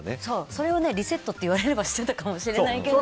それをリセットって言われればしてたかもしれないけど。